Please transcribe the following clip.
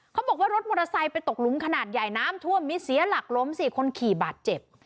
เขาบอกว่ารถมอเตอร์ไซค์ไปตกหลุมขนาดใหญ่น้ำท่วมมีเสียหลักล้มสิคนขี่บาดเจ็บ